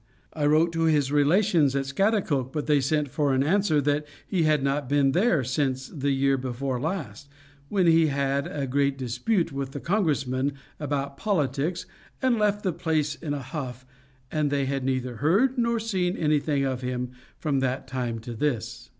I wrote to his relations at Scaghtikoke, but they sent for answer, that he had not been there since the year before last, when he had a great dispute with the Congressman about politics, and left the place in a huff, and they had neither heard nor seen anything of him from that time to this.